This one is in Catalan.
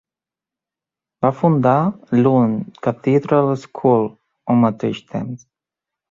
Va fundar Lund Cathedral School al mateix temps.